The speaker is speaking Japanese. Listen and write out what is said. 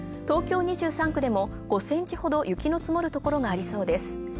東京２３区でも５センチほど雪が積もるところもありそうです。